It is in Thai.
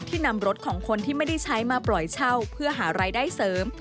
นำรถของคนที่ไม่ได้ใช้มาปล่อยเช่าเพื่อหารายได้เสริม